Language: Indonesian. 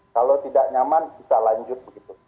kalau tidak nyaman bisa lanjut begitu